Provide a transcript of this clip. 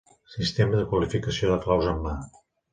Sistema de qualificació de claus en mà.